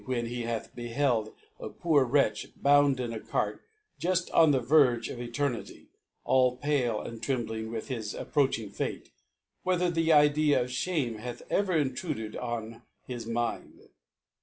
when he hath beheld a poor Wretch, bound in a Carr, juft on the Verge of Eternity, all pale and trembling with his approaching Fate, whether the Idea of Shame hath ever intruded on his Mind